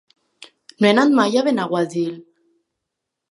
No he anat mai a Benaguasil.